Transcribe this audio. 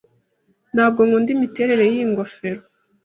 Ntabwo nkunda imiterere yiyi ngofero.